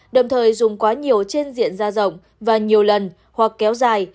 đồng thời dùng quá nhiều trên diện ra rộng và nhiều lần hoặc kéo dài